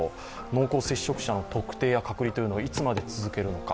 濃厚接触者の特定や隔離をいつまで続けるのか。